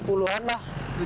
tujuh puluh ribu rupiah sehari